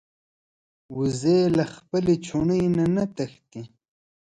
وزې له خپل چوڼي نه نه تښتي